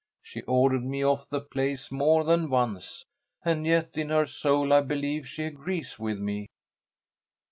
She's ordered me off the place more than once, and yet in her soul I believe she agrees with me."